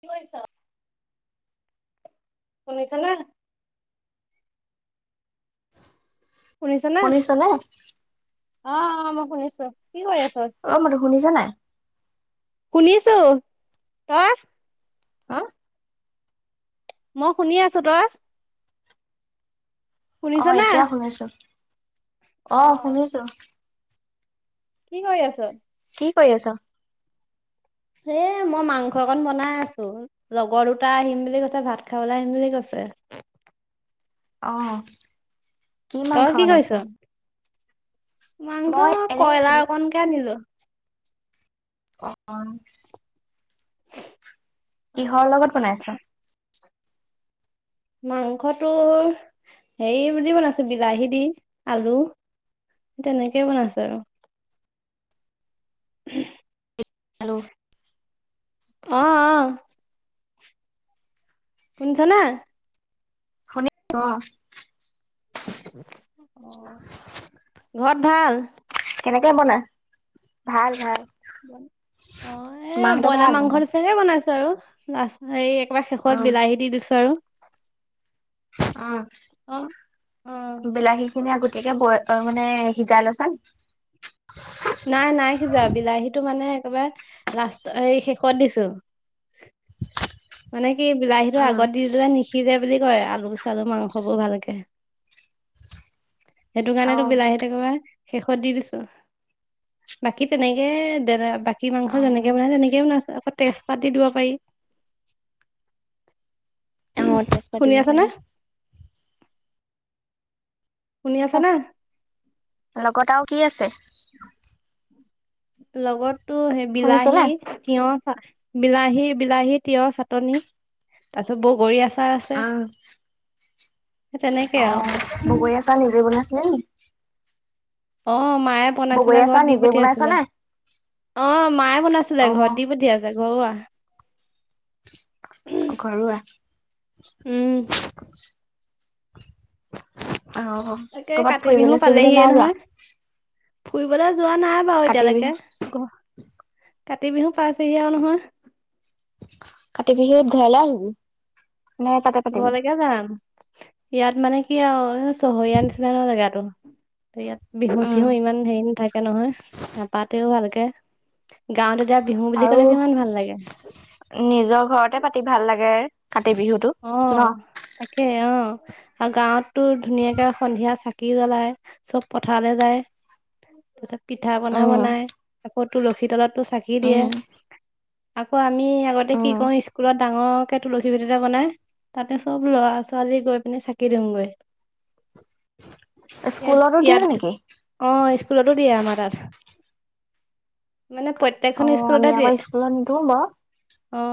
কি কৰিছ শুনিছ নে। শুনিছ নে? অ অ মই শুনিছোঁ। অ মাতটো শুনিছ নাই নিছো তই হা মই শুনি আছো। তই অ শুনিছ নে? এতিয়া শুনিছোঁ। অ শুনিছোঁ। কি কৰি আছ? কি কৰি আছ? এ মই মাংস অকন বনাই আছোঁ লগৰ দুটা আহিম বুলি কৈছে ভাত খাবলে আহিম বুলি কৈছে। ছে অহ কি তই মাংস কৰিছ? বনাইছা? মাংস বাৰু। কয়লাৰ অকণকে আনিলো। অ অঁ অ', কিহৰ লগত বনাইছ। মাংসটো হেৰি বুলি বনাইছো বিলাহী দি আলু। তেনেকেই বনাইছো আৰু। উহু। হেল্ল'। অহ। শুনিছা ন। শুনিছোঁ অ। ঘৰত ভাল? কেনেকে বনা ভাল ভাল। অ এ মাহঁতৰ ব্ৰইলাৰ ভাল মাংস তহঁতৰ? নিচিনাই বনাইছো আৰু লাষ্ট। একেবাৰে শেষত উম, বিলাহী দি দিছো আৰু। অ অ বিলাহী। খিনি আগতীয়াকৈ ব মানে সিজাই লৈছানি। নাই নাই সিজোৱা বিলাহীটো মানে একেবাৰে। লাষ্ট এই শেষত দিছো। মানে কি বিলাহীটো উম, আগত দি দিলে নিসিজে বুলি কয় আলু চালু মাংস বোৰ ভালকে। সেইটো কাৰণেতো অ', বিলাহী থাকবা। শেষত দি দিছো বাকী তেনেকে দাদা। গাখীৰ মাংস যেনেকে অ'। বনাই তেনেকে বনাইছে আকৌ তেজপাত দি দিব পাৰি। অহ তেজপাত শুনি দিব আছা নে পাৰি। শুনি আছা নে লগত আৰু কি আছে। লগতটো সেই শুনিছ বিলাহী নে? তিয়হ। বিলাহী বিলাহী তিঁয়হ চাটনি তাৰ পিছত বগৰী আছে। আচাৰ আহ। সেই তেনেকে অ আৰু মই গৈ আছা নিজৰি বনাছিলে নে। অ মায়ে বগৰী বনাইছিলে আচাৰ ঘৰত দি নিজে বনাইছ পঠিয়াইছিলে। নে? অ মায়ে বনাইছিলে ঘৰত অ' দি পুঠিয় আছে ঘৰুৱা। ঘৰুৱা। উম আহ তাকে কৰ'বাত কাতি বিহু ফুৰিবলৈ চোৰিবলৈ পালেহিয়ে নাই যোৱা। নহয় ফুৰিবলৈ যোৱা নাই বাৰু কাতি বিহু এতিয়ালৈকে ঘৰ। কাতি বিহু পাইছেহি আৰু নহয়। কাতি বিহুত ঘৰলে আহিবি। নে তাতে পাতিবি ঘৰলে কে যাম। ইয়াত মানে কি আৰু চহৰীয়া নিচিনা জেগাতো ইয়াত। বিহু উম চিহু ইমান হেৰি নাথাকে নহয় নাপাতেও ভালকে। গাঁৱত এতিয়া বিহু বুলি আৰু কলে কিমান ভাল লাগে। নিজৰ ঘৰতে পাতি ভাল লাগে কাতি বিহুটো অ ন তাকে অ আৰু গাঁৱতো ধুনীয়াকে সন্ধিয়া চাকি। চাকি জ্বলাই চব পথাৰলৈ যায় তাৰ পিছত পিঠা পনা উম বনাই। কতো লক্ষী তলতো চাকি দিয়ে উম আকৌ আমি আগতে কি উম কৰো স্কুলত। ডাঙৰকে তুলসী পতিটা বনাই তাতে চব ল'ৰা ছোৱালী গৈ পিনে চাকি দিওঁগৈ। ইয়াত স্কুলতো দিয় ইয়াত নেকি অ স্কুলতো দিয়ে আমাৰ তাত। মানে অ প্ৰত্যেকখন আমি স্কুলতে দিয়ে। আকৌ স্কুলত নিদিওঁ বাৰু অ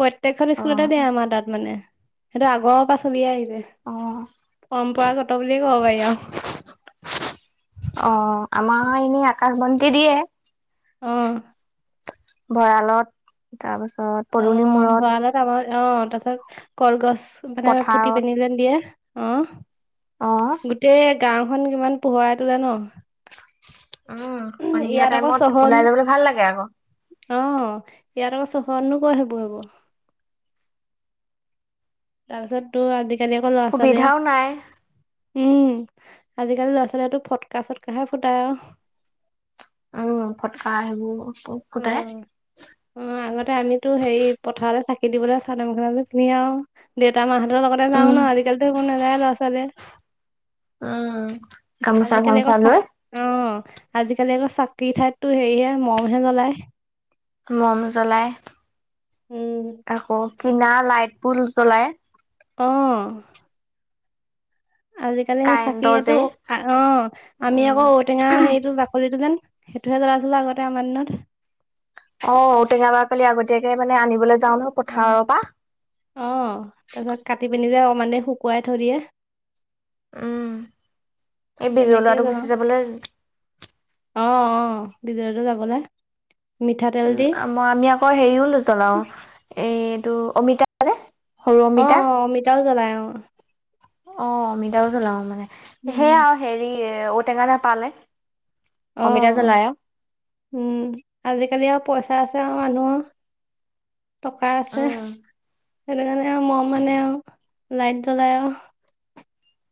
প্ৰত্যেকখন অ স্কুলতে দিয় আমাৰ তাত মানে সেইটো আগৰ পৰা চলিয়াই আহিছে। অ অ পৰম্পৰাগত বুলিয়ে কব পাৰি আও। অ আমাৰ এনেই আকাশ বন্তি দিয়ে। অহ। ভঁৰালত তাৰপাছত। অ পদূলি মূৰত ভাল তোমাৰ অ। ত পাছত কলগছ মানে পুতি পথাৰত পেন্ধিলে দিয়ে অ। অ গোটেই গাওখন কিমান পোহৰাই তোলো ন। উম সন্ধিয়া ইয়াত আকৌ টাইমত চহৰ ওলাই যাবলৈ ভাল লাগে আকৌ অ ইয়াৰ বছ স কোৱা হব হব। তাৰপিছততো আজিকালি অকৌ ল'ৰা সুবিধাও নাই ছোৱালীয়ে উম আজিকালি ল'ৰা ছোৱালীয়ে ফটকা চটকাহে ফুটাই আৰু উম ফটকা হবোৰ অ অ আগতে আমিতো হেৰি পথাৰলৈ চাকি স দিবলৈ চাদৰ মেখেলা পিনি আৰু দেতা মাহ যা ন উম। আজিকালি সেইবোৰ টো নাযায় লৰা ছোৱালীয়ে। উম গামোচা আজিকালি চামোচা আকৌ লৈ আহ আজিকালি আকৌ চাকৰি ঠাইততো হেৰিহে মমহে জ্বলায়। মম জ্বলাই উম আকৌ কিনা লাইট বোৰ জ্বলাই আহ আজিকালি সেই কাৰেণ্টৰ চাকিয়ো যে অ আমি উম আকৌ ঔটেঙা সেইটো বাকলিটো যেন সেইটোহে জ্বলাইছো আগতে আমাৰ দিনত। অ, ঔটেঙ বাৰ কালি আগতীয়াকে মানে আনিবলৈ। যাওঁ নহয় অ, পথাৰৰ পৰা অ তাৰপিছত কাটি পিনিলে মানে শুকুৱাই থৈ দিয়ে। উম, এই বিজ তেনেকেই লৰাটো জ্বলাও গুচি যাবলৈ ভিততে যাবলৈ। উম, মই আমি আকৌ হেৰিও নজলাও এইটো অমিতানে। অ, অ অমিতাও জ্বলাই অ। অ, অমিতা জলাওঁ মানে উম সেয়া হেৰি ঔ টেঙ না পালে। অ, উম আজিকালি আৰু পইচা আছে। তেওঁ মানুহৰ টকা আছে। উম সেইটো কাৰণে আৰু ম মানে আৰু লাইট জ্বলাই আৰু।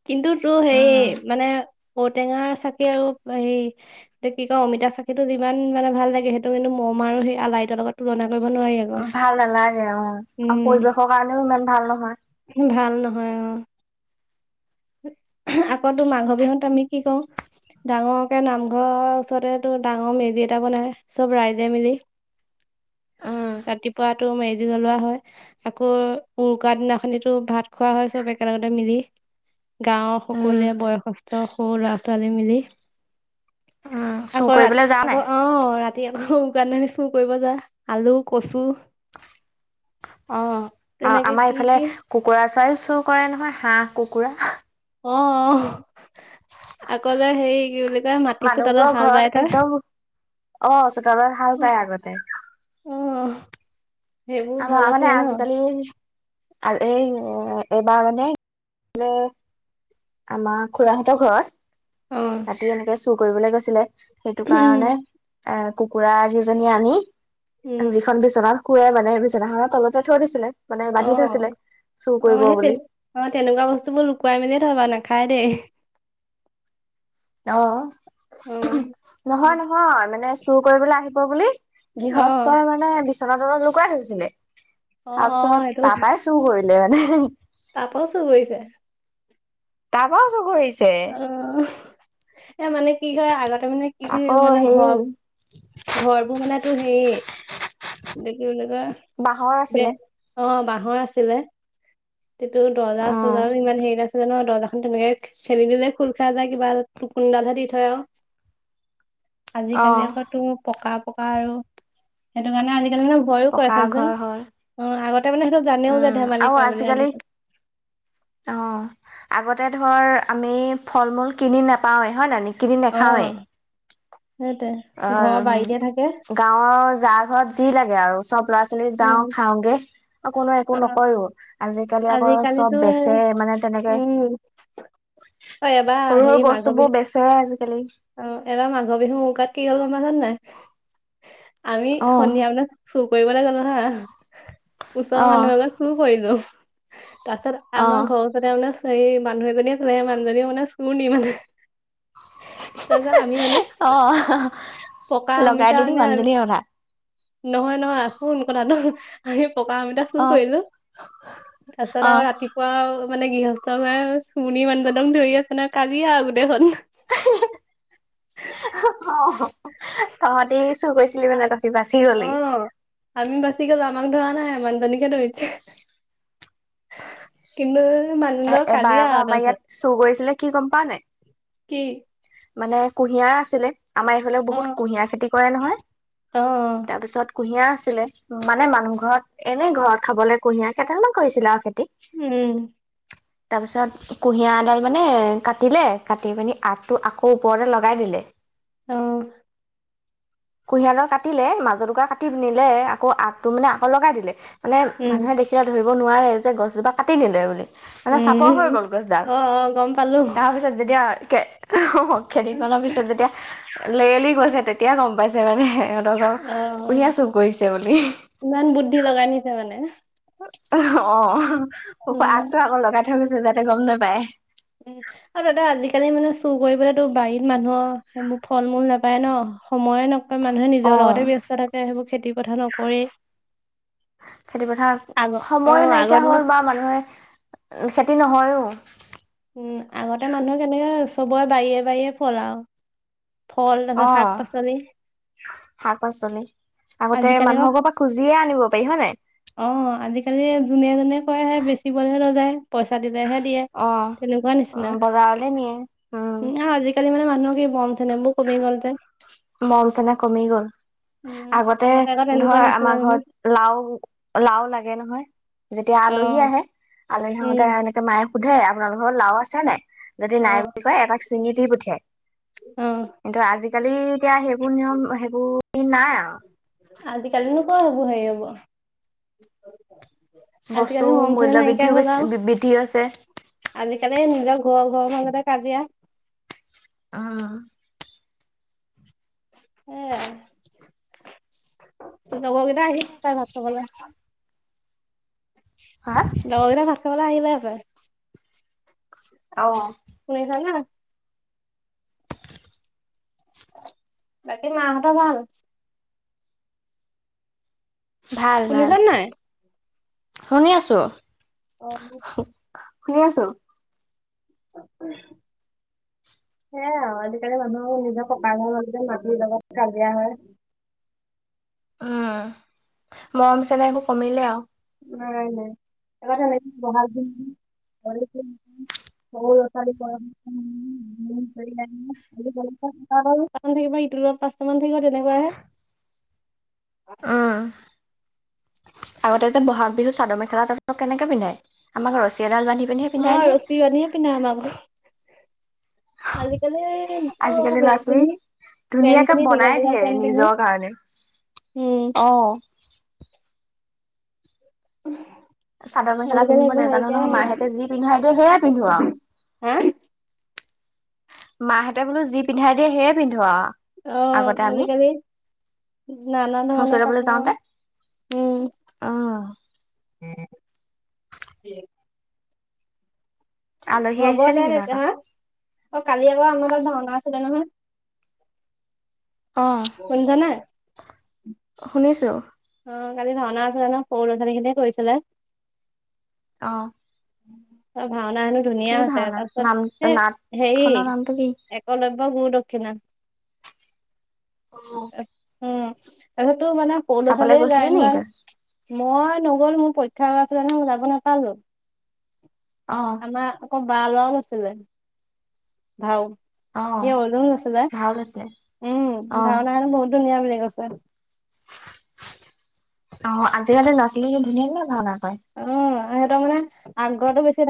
কিন্তু তো সেই উম মানে ঔটেঙা চাকি আৰু হেৰি কি কয় অমিতা চাকিটো যিমান মানে ভাল লাগে সেইটো কিন্তু। অম আৰু সেই আলইতৰ লগ তুলনা কৰিব নোৱাৰি আকৌ। ভাল নালাগে অ আৰু উম, পৰিৱেশৰ কাৰণেও ইমান ভাল নহয়। ভাল নহয়। হয় অ আকৌতো মাঘ বিহুত আমি কি কওঁ ডাঙৰকে নামঘৰৰ ওচৰতে তটো ডাঙৰ মেজি এটা বনাই চব ৰাইজে মিলি। উম। ৰাতিপুৱাতটো মেজি জ্বলোৱা হয়। আকৌ উৰুকাৰ দিনাখনিতো ভাত খোৱা হয় চব একেলগ তে মিলি। গাঁৱৰ সকলোৱে উম বয়সস্থ সৰু ল'ৰা-ছোৱালী মিলি। চুৰ আকৌ কৰিবলৈ ৰাতি যাও নাই? আকৌ অ ৰাতি। ৰাতি আকৌ কাৰণে নি চুৰ কৰিব যা আলু, কচু অ, আহ তেনেকে আমাৰ কি এইফালে কি কুকুৰা চউ চোৰ কৰে নহয় হাঁহ কুকুৰা। অ। অকলে হে কি বুলি কয় মাটি চো তলত মানুহবোৰৰ হাল ঘৰত বাই থয়। একদম অ, চতালত হাল পায় আগতে। অ' সেইবোৰ আ ভাল মান আছিলে ন আজ কালি আ এই বাৰ মানে আমাৰ খুৰাহঁতৰ অ' ঘৰত ৰাতি এনেকে চুৰ কৰিবলৈ গৈছিলে। সেইটো কাৰণে উম এ কুকুৰা যিজনী আনি উম যিখন বিচনা কুুৱে মানে হহে তলতে থৈ দিছিলে। মানে অ, বান্ধি থৈছিলে চুৰ অ, কৰিব সেই তে বুলি তেনেকুৱা বস্তু বোৰ লুকুৱাই মেলি থব লাগে। খাৰে অ, অ' নহয় নহয় মানে চুৰ কৰিবলৈ আহিব বুলি অ' গৃহস্থই মানে বিচনা তলত লুকুৱাই থৈছিল, অ' অ' তাৰপিছত সেইটো ত কথা পৰাই চুৰ কৰিলে। মানে। [unintelligible] তাৰ পৰাও চুৰ কৰিছে তাৰপাও চোৰ কৰি আহিছে। অ, এ মানে কি হয় আগতে মানে কি আকৌ মানে হেৰি ঘৰৰ- ঘৰবোৰ মান তো সেইয়। বাঁহৰ [inaudible] বে, আছিলে অ 'বাঁহৰ আছিলে। তোৰ অ দৰজা-চৰজা ও ইমান হেৰি নাছিলে ন। দৰজা তেনেকে ঠেলি দিলে খোল খাই যায় কিবা খুন্দা হে দি থয় আও। আজিকালি আকৌ তো পকা পকা আৰু সেইটো কাৰণে আজ সনেৰে ভয়ো কৰে পকা চাবি চোন। ঘৰ হ'ল অ, আগত তাৰ মানে সেটো জানেও যে উম ধেমালি আৰু কৰে বুলি আজিকালি [unintelligible] তাতে ধৰ আমি ফল-মূল কিনি নোপাওৱে হয় নাই? আমি কিনি অ নাখাওৱে। সেইটোৱে ঘৰৰ অহ, বাৰীতে থাকে গাঁৱৰ যা ঘৰত যি লাগে আৰু। চব ল'ৰা ছোৱালী যাওঁ উম খাওগে আৰু কোনো একো অ নকয়ও। আজিকালি আকৌ চব আজিকালিতো এ বেচে মানে তেনেকে উম অ এবাৰ সৰু সৰু হেৰি বস্তু মাঘৰ বোৰ বিহু বেচে অ এবাৰ মাঘৰ বিহু উকাত কি হ'ল আমাৰ জান নাই? আমি অ সন্ধিয়া মানে চুৰ কৰিবলৈ গলো হা অ ওচৰ মানুহ এঘৰত চুৰ কৰিলোঁ। তাৰপছত অ আমাৰ ঘৰ ওচতে মানে মানুহ এজনীয়ে চলে মানুহজনীয়ে মানে চুৰনি মানে তাৰপিছত আমি মানে অ পকা লগাই অমিতা দিলি মানে আৰু মানুহজনী কথা নহয় নহয় শুন কথা টো। আমি পকা আমিতা চুৰ অ কৰিলো তাৰপিছত অ আৰু ৰাতিপুৱা আও মানে গৃহস্থ হয় চুণনি মানুহজনক ধৰি আছে নহয় কাজিয়া আৰু গোটেইখন। অ [inaudible] তহঁতি চুৰ কৈছিলি মানে তহঁটি বাচি অ গ'লি। আমি বাছি গলো আমাক ধৱা নাই মানুহজনীকে ধৈছে। কিন্তু এ মানুহজন এবাৰ কাজিয়া আকৌ আও আমাৰ তাৰ ইয়াত পাছত। চুৰ কৰিছিলে কি গম পাৱ নাই কি? মানে কুঁহিয়াৰ আছিলে আমাৰ এইফালে অ বহুত কুঁহিয়াৰ খেতি কৰে নহয়, অ তাৰপিছত কুঁহিয়া আছিলে মানে মানুহ ঘৰত এনেই ঘৰত খাবলে কুঁহিয়া কেইটামান কৰিছিলে আও খেতি। উম। তাৰপিছত কুঁহিয়াৰ এডাল মানে কাটিলে কাটি পিনি আটো আকৌ ওপৰতে লগাই দিলে। আহ। কুঁহিয়া দাল কাটিলে মাজৰ দুক কাটি নিলে আকৌ আগটো মানে আকৌ লগাই দিলে। মানে উম মানুহে দেখিলে ধৰিব নোৱাৰে যে গছজোপা কাটি নিলে বুলি। মানে চাপৰ হৈ উম গ'ল গছডাল। অ অ গম পালো তাৰ পিছত যেতিয়া কেইদিনমানৰ পিছত যেতিয়া লেৰেলি গৈছে তেতিয়া গম পাইছে মানে। অ কুহিয়া চুৰ কৰিছে বুলি। ইমান বুদ্ধি লগাই নিছে মানে অ উম আগটো আকৌ লগাই থৈ গৈছে যাতে গম নেপায়। উম আৰু দাদা আজিকালি মানে চুৰ কৰিবলেতো বাৰীত মানুহৰ সেইবোৰ ফল মূল নাপায় ন। সময়ে নকৰে মানুহে অ নিজৰ লগতে ব্যস্ত থাকে সেইবোৰ খেতি পথাৰ নকৰে। খেতি পথাৰত সময় আগৰ নাইকিয়া দিনত হ'ল বাও মানুহে খেতি নহয়ও। উম আগতে মানুহে কেনেকে চবৰে বাৰিয়ে বাৰিয়ে ফল আও। ফল এক শাক পাচলি শাক পাচলি আগতে আজিকালি অ মানুহৰ ক পৰা খুজিয়ে আনিব পাৰি হয় নাই? অ আজিকালি যোনে যোনে কৰে বেচিবলেহে লৈ যায় পইচা দিলেহে দিয়ে। অহ। তেনেকুৱা নিচিনা বজাৰলে নিয়ে আজিকালি মানে মানুহক কি বম। মন চেনেহ কমি গ'ল। উম আগতে আকৌ তেনেকুৱা ধৰ নাছিলে আমাৰ নহয় ঘৰত লাও লাও লাগে নহয়। যেতিয়া অ আলহী আহে আলহী উম আহুতে এনেকে মায়ে সুধে আপোনালোকৰ লাও আছে নে। যদি অ নাই বুলি কয় এটাক ছিঙি দি পঠিয়াই। অ ত আজিকালি এতিয়া সেইবোৰ নিয়ম সেইবোৰ নাই আৰু। আজিকালি নো কোৱা হ'ব সে হব। বস্তু আজিকালি মৰম মূল্য চেনেহ নাইকিয়া বৃদ্ধিও হল আৰু বেছি বৃদ্ধি হৈছে। আজিকালি নিজক। ঘৰৰ মাজতে কাজিয়া। অ হেয়া লগ কেইটা আহিছিলে ভাত খাবলে। হা লগ কেইটা ভাত খাবলে আহিলে সপাই। অ। শুনিছা নে। বাকী মা হত ভাল। ভাল ভাল শুনিছা নাই শুনি আছো। অ। শুনি আছোঁ। কাক কয় আছা। সেয়াই আৰু আজিকালি মানুহ নিজৰ ককা ঘৰতে মাটিৰ লগত কাজিয়া হয়। উম মৰম চেনেহ একো কমিলে আৰু। উম এবাৰ ক'লে বহাল দিম দিম হ'লে দিম দিম। বহল এইফালে জাগা ওম। ওম থাকিবা নহয় এতিয়া পাঁচটা মান। সেয়া তেনেকুৱা হে। অ। উম, আগতে যে ব'হাগ বিহু চাদৰ মেখেলা তাতে কেনেকে পিন্ধে আমাৰ ৰচিত এডাল। এডাল বান্ধি পিন্ধিয়ে অ পিন্ধাই দিয়ে। ৰছী আজি কালি আজিকালি হেৰি ল'ৰা ছোৱালী পিনে। ধুনীয়াকে বনাই দিয়ে নিজৰ কাৰণে উম। অ। চাদৰ উহ। মেখেলা আজি কালি পিন্ধিব এইবোৰ নাজানো নাইকিয়া নহয় হ'য় মাহঁতে যি পিন্ধাই দিয়ে সেয়ে পিন্ধো আৰু। গ'ল হা। মাহঁতে বোলো যি পিন্ধাই দিয়ে সেয়ে পিন্ধো আৰু। অ আগতে আমি। আজি কালি। নানা ধৰণৰ হুচৰাবলৈ কাপোৰ যাওঁতে উম। উম, উম কি হ'ল। আলহী হ'ব আহিছে দে নেকি তেতিয়া তহঁতৰ? হা অ কালি আকৌ আমাৰ ইয়াত ভাওনা আছিলে নহয়। অ শুনিছা নাই? শুনিছোঁ। অ কালি ভাওনা আছিলে ন সৰু ল'ৰা ছোৱালীখিনিয়ে কৰিছিলে। অ। ত ভাওনা হেনো ধুনীয়া আছে তাৰপিছত নাম এ নাট হেৰি। খনৰ নামটো কি? একলব্য গুৰু দক্ষিণা উম। তাৰ পিছতো মানে। চালে চাবলৈ গৈছিলি যাম নি যাম তই? মই। নগ'ল মোৰ পৰীক্ষা আছিলে নহ মই যাব নাপালোঁ অঁ আমাৰ আকৌ। পালোৱান আছিলে ভাও। সি অঁ লুং আছিলে ভাল হৈছে। উম ভাওনাখন বহুত ধুনীয়া বুলি কৈছে। অহ আজি কালি ল'ৰা ছোৱালী বিলাকে ধুনীয়াকে ভাওনা কৰে। তাৰ মানে আগতে বেছি ভাল